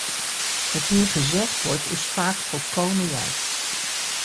Wat hier gezegd wordt is vaak volkomen juist.